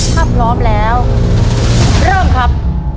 ถ้าพร้อมแล้วเริ่มครับ